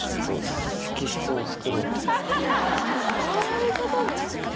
そういうことね。